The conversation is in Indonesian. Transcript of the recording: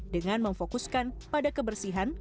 dengan memfokuskan pada kebersihan